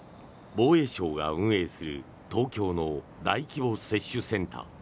防衛省が運営する東京の大規模接種センター。